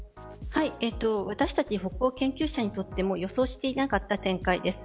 私たち北欧研究者にとっても予想していなかった展開です。